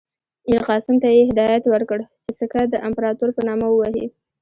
میرقاسم ته یې هدایت ورکړ چې سکه د امپراطور په نامه ووهي.